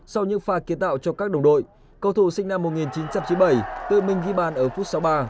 sau những pha kiến tạo cho các đồng đội cầu thủ sinh năm một nghìn chín trăm chín mươi bảy tự mình ghi bàn ở phút sáu mươi ba